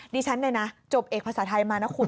ดิฉันเนี่ยนะจบเอกภาษาไทยมานะคุณ